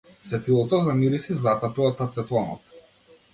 Сетилото за мирис ѝ затапе од ацетонот.